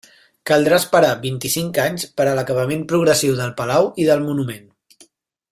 Caldrà esperar vint-i-cinc anys per a l'acabament progressiu del palau i del monument.